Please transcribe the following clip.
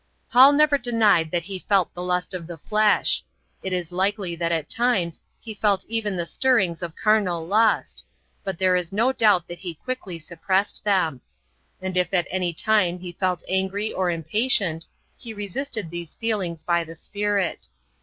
Paul never denied that he felt the lust of the flesh. It is likely that at times he felt even the stirrings of carnal lust, but there is no doubt that he quickly suppressed them. And if at any time he felt angry or impatient, he resisted these feelings by the Spirit.